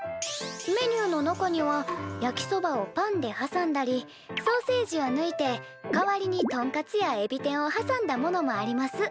メニューの中には焼きそばをパンではさんだりソーセージをぬいて代わりにトンカツやエビ天をはさんだものもあります」